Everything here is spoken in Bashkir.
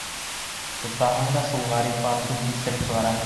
Тотаһың да шул Ғирфанды килтереп сығараһың!